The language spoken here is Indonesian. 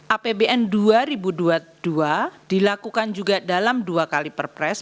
apbn dua ribu dua puluh dua dilakukan juga dalam dua kali perpres